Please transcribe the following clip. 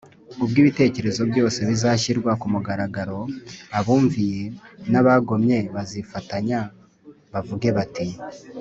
. Ubwo ibitekerezo byose bizashyirwa ku mugaragaro, abumviye n’abagomye bazifatanya bavuge bati